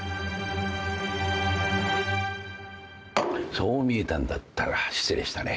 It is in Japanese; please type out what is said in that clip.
そう見えたんだったら失礼したね。